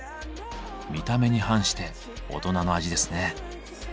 見た目に反して大人の味ですね。